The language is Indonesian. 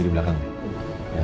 agrabah dem drn